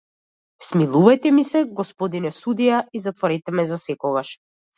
Смилувајте ми се, господине судија, и затворете ме засекогаш!